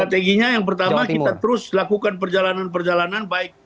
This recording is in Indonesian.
strateginya yang pertama kita terus lakukan perjalanan perjalanan baik